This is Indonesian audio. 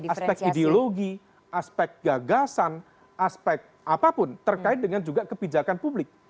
aspek ideologi aspek gagasan aspek apapun terkait dengan juga kebijakan publik